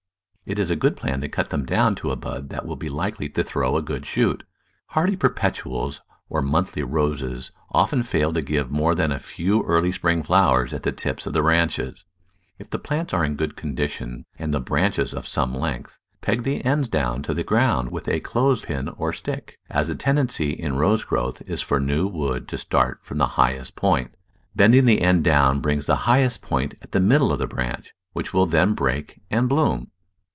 It is a good plan to cut them down to a bud that will be likely to throw a good shoot. Hardy Perpetuals or monthly Roses often fail to give more than a few early spring flowers at the tips of the branches. If the plants are in good condition, and the branches of some length, peg the ends down to the ground with a clothes pin or stick, as the tendency in Rose growth is for new wood to start from the highest point. Bending the end down brings the highest point at the middle of the branch, which will then break and bloom.